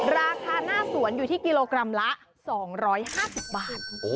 ราคาหน้าสวนอยู่ที่กิโลกรัมละ๒๕๐บาท